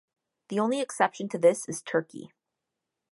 The only exception to this is turkey.